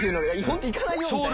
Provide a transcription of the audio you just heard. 行かないよみたいな。